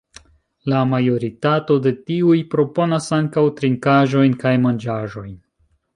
La majoritato de tiuj proponas ankaŭ trinkaĵojn kaj manĝaĵojn.